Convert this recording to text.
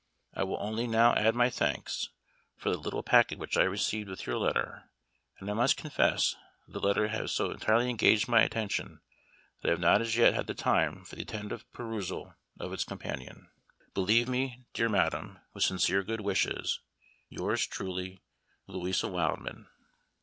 I will only now add my thanks for the little packet which I received with your letter, and I must confess that the letter has so entirely engaged my attention, that I have not as yet had time for the attentive perusal of its companion. Believe me, dear madam, with sincere good wishes, "Yours truly, "LOUISA WILDMAN."